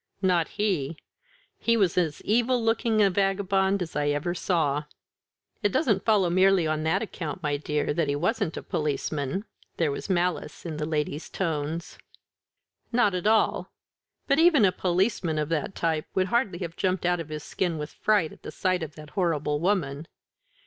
"Not he. He was as evil looking a vagabond as ever I saw." "It doesn't follow merely on that account, my dear, that he wasn't a policeman." There was malice in the lady's tones. "Not at all; but even a policeman of that type would hardly have jumped out of his skin with fright at the sight of that horrible woman.